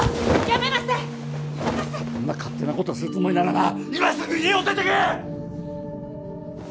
やめなさいっそんな勝手なことをするつもりならな今すぐ家を出てけ！